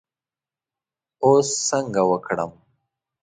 اوس څنګه وکړم.